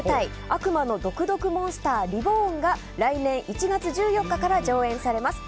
「悪魔の毒毒モンスターＲＥＢＯＲＮ」が来年１月１４日から上演されます。